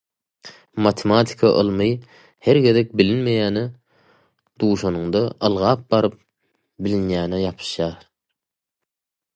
Matematika ylmy her gezek bilinmeýäne duşanynda ylgap baryp bilinýäne ýapyşýar.